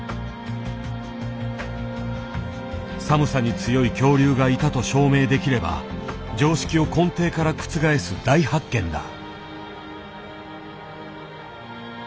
寒さに強い恐竜がいたと証明できれば常識を根底から覆す大発見だ。